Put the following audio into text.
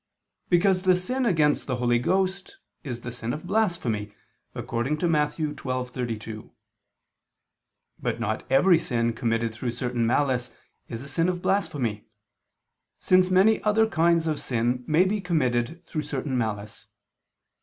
Because the sin against the Holy Ghost is the sin of blasphemy, according to Matt. 12:32. But not every sin committed through certain malice is a sin of blasphemy: since many other kinds of sin may be committed through certain malice.